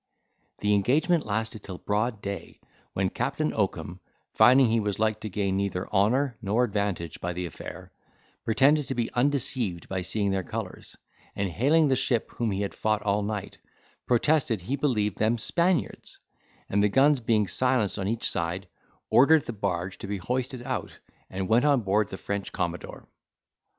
The engagement lasted till broad day, when Captain Oakum, finding he was like to gain neither honour nor advantage by the affair, pretended to be undeceived by seeing their colours; and, hailing the ship whom he had fought all night, protested he believed them Spaniards; and the guns being silenced on each side, ordered the barge to be hoisted out, and went on board the French commodore.